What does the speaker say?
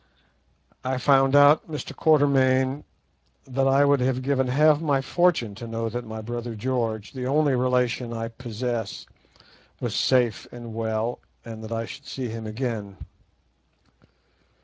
"I found out, Mr. Quatermain, that I would have given half my fortune to know that my brother George, the only relation I possess, was safe and well, and that I should see him again."